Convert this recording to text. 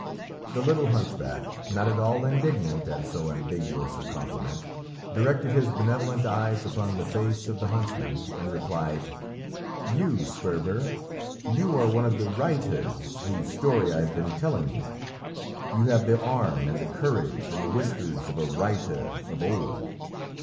The little hunchback, not at all indignant at so ambiguous a compliment, directed his benevolent eyes upon the face of the huntsman, and replied "You, Sperver, you are one of the reiters whose story I have been telling you. You have the arm, and the courage, and the whiskers of a reiter of old!